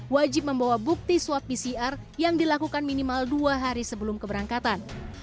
wajib membawa bukti swab pcr yang dilakukan minimal dua hari sebelum keberangkatan